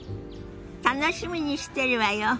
楽しみにしてるわよ。